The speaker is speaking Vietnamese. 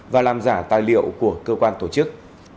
và làm giả tài liệu của cơ quan tổ chức